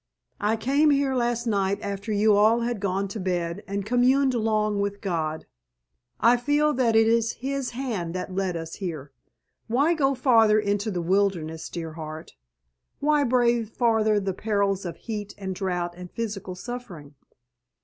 I came here last night after you had all gone to bed and communed long with God. I feel that it is His hand that led us here. Why go farther into the wilderness, dear heart? Why brave farther the perils of heat and drought and physical suffering?